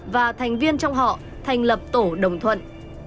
và thành viên trong họ thành lập tổ đồng thuận